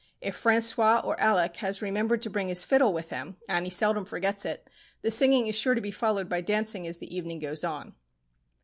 If François or Alec has remembered to bring his fiddle with him—and he seldom forgets it—the singing is sure to be followed by dancing as the evening goes on.